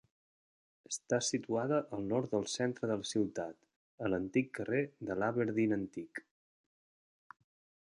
Està situada al nord del centre de la ciutat, a l'antic carrer de l'Aberdeen antic.